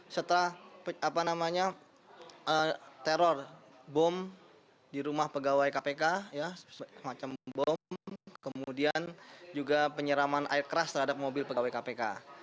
setelah teror bom di rumah pegawai kpk semacam bom kemudian juga penyiraman air keras terhadap mobil pegawai kpk